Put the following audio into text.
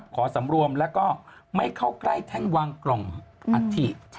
ขอสำรวมแล้วก็ไม่เข้าใกล้แท่งวางกล่องอัฐิ